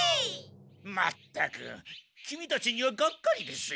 まったくキミたちにはがっかりですよ。